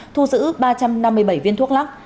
thu giữ ba trăm năm mươi bảy viên thuốc lắc